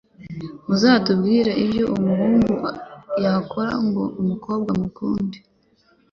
Muzatubwire Nibyo Umuhungu Yakora Ngo Umukobwa Amukunde